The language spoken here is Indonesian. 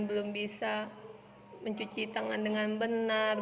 belum bisa mencuci tangan dengan benar